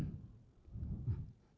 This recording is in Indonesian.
tidak ada yang kena